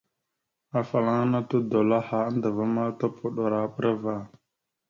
Afalaŋa todoláaha andəva ma, topoɗoro a bəra ava.